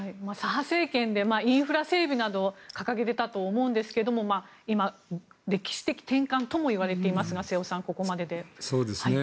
左派政権でインフラ整備などを掲げていたと思うんですけれども歴史的転換ともいわれていますが瀬尾さん、ここまでで。